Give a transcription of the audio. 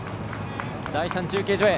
第３中継所へ。